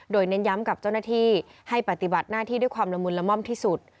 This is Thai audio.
โดยเน้นย้ำกับเจ้าหน้าที่ให้ปฏิบัติหน้าที่ด้วยความละมุนละม่อมที่สุด